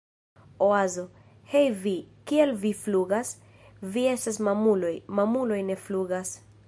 Oazo: "Hej vi! Kial vi flugas? Vi estas mamuloj! Mamuloj ne flugas!"